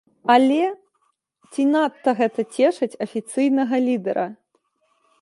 Але ці надта гэта цешыць афіцыйнага лідэра?